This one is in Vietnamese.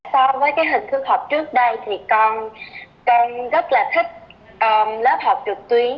so với hình thức học trước đây con rất thích lớp học trực tuyến